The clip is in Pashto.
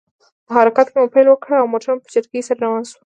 په حرکت مو پیل وکړ، او موټر په چټکۍ سره روان شو.